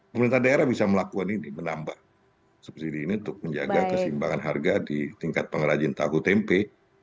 pemerintah daerah bisa melakukan ini menambah subsidi ini untuk menjaga kesimbangan harga di tingkat pengrajin tahu tempe